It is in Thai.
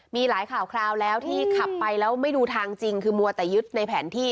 มีหลายข่าวคราวแล้วที่ขับไปแล้วไม่ดูทางจริงคือมัวแต่ยึดในแผนที่